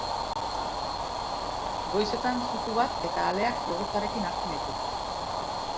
Goizetan zuku bat eta aleak jogurtarekin hartzen ditut.